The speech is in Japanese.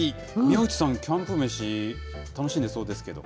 宮内さん、キャンプ飯、楽しんでそうですけど。